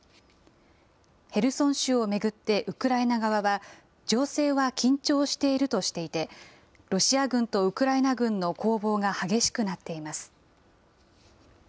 ヘルソン州を巡ってウクライナ側は、情勢は緊張しているとしていて、ロシア軍とウクライナ軍の攻防が激しくなっています。